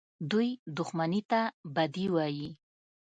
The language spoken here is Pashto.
دوى دښمني ته بدي وايي.